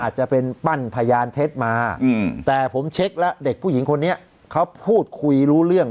อาจจะเป็นปั้นพยานเท็จมาแต่ผมเช็คแล้วเด็กผู้หญิงคนนี้เขาพูดคุยรู้เรื่อง